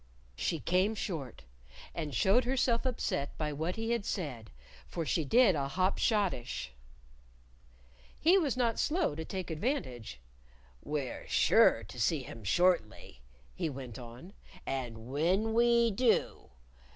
She came short. And showed herself upset by what he had said, for she did a hop schottische. He was not slow to take advantage. "We're sure to see him shortly," he went on. "And when we do